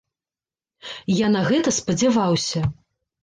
Я на гэта спадзяваўся.